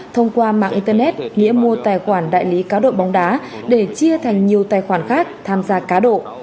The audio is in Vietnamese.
thông qua mạng internet nghĩa mua tài khoản đại lý cá độ bóng đá để chia thành nhiều tài khoản khác tham gia cá độ